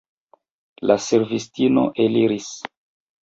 La servistino eliris.